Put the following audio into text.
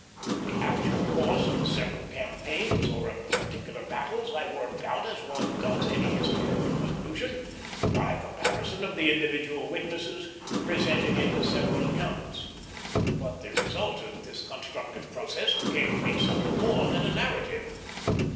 The actual course of the several campaigns, or of the particular battles, I worked out as one does any historical conclusion, by comparison of the individual witnesses presented in the several accounts; but the result of this constructive process became to me something more than a narrative.